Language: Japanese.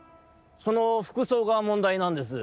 「その服装がもんだいなんです」。